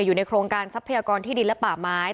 อยู่ในโครงการทรัพยากรที่ดินและป่าไม้